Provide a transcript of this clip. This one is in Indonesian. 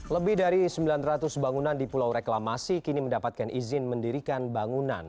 lebih dari sembilan ratus bangunan di pulau reklamasi kini mendapatkan izin mendirikan bangunan